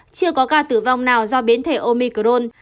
chưa có ca tử vong nào do biến thể omicron